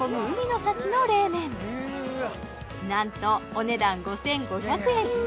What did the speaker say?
なんとお値段５５００円！